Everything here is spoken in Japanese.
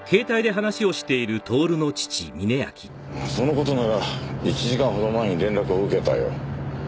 その事なら１時間ほど前に連絡を受けたよ。